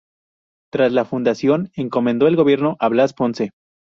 Tras la fundación encomendó el gobierno a Blas Ponce.